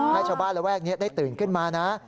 ให้ชาวบ้านระแวกนี้ได้ตื่นขึ้นมานะ